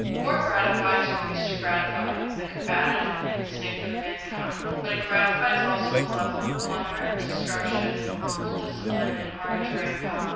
War gratifies, or used to gratify, the combative instinct of mankind, but it gratifies also the love of plunder, destruction, cruel discipline, and arbitrary power.